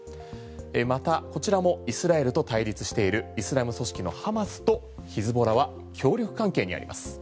またこちらもイスラエルと対立しているイスラム組織のハマスとヒズボラは協力関係にあります。